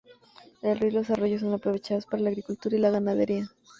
El río y los arroyos son aprovechados para la agricultura y ganadería.